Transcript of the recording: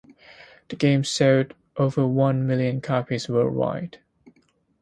The game sold over one million copies worldwide.